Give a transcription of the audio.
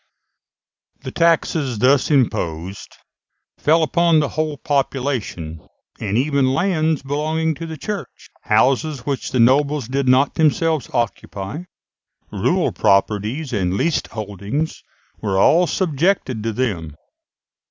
The taxes thus imposed fell upon the whole population, and even lands belonging to the Church, houses which the nobles did not themselves occupy, rural properties and leased holdings, were all subjected to them.